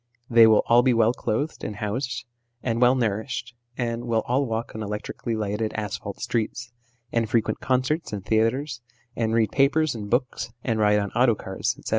They will all be well clothed and housed, and well nourished, and will all walk on electrically lighted asphalt streets, and frequent concerts and theatres, and read papers and books, and ride on auto cars, etc.